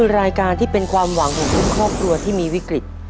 รายการที่เป็นความหวังของทุกครอบครัวที่มีวิกฤต